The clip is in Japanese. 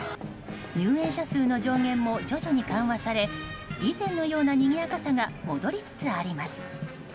入園者数の上限も徐々に緩和され以前のようなにぎやかさが戻りつつあります。